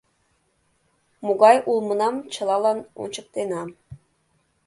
Могай улмынам чылалан ончыктена.